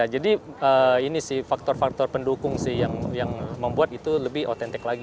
jadi ini sih faktor faktor pendukung yang membuat itu lebih otentik lagi